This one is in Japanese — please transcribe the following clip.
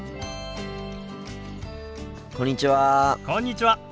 こんにちは。